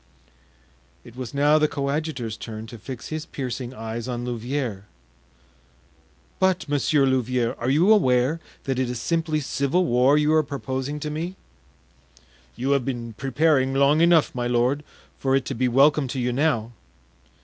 It was now the coadjutor's turn to fix his piercing eyes on Louvieres. "But, Monsieur Louvieres, are you aware that it is simply civil war you are proposing to me?" "You have been preparing long enough, my lord, for it to be welcome to you now."